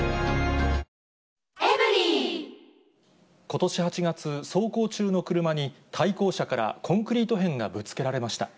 ことし８月、走行中の車に、対向車からコンクリート片がぶつけられました。